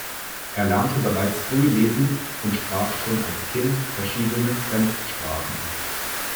Er lernte bereits früh lesen und sprach schon als Kind verschiedene Fremdsprachen.